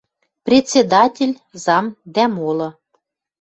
Председатель, зам дӓ молы